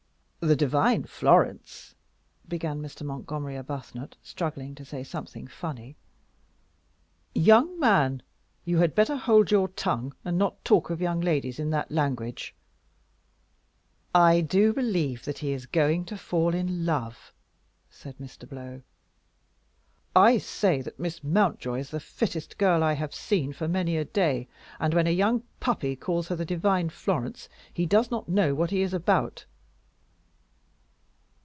"The divine Florence " began Mr. Montgomery Arbuthnot, struggling to say something funny. "Young man, you had better hold your tongue, and not talk of young ladies in that language." "I do believe that he is going to fall in love," said Mr. Blow. "I say that Miss Mountjoy is the fittest girl I have seen for many a day; and when a young puppy calls her the divine Florence, he does not know what he is about."